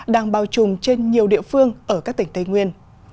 đang bao trùm trên nhiều địa phương ở các tỉnh tây nguyên